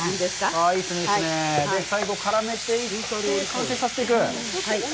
最後、絡めていって、完成させていく。